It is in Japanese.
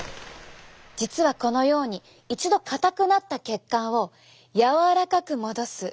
実はこのように一度硬くなった血管を柔らかく戻す。